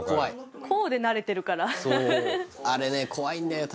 こうで慣れてるからあれね怖いんだよ